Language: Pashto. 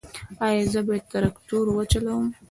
ایا زه باید تراکتور وچلوم؟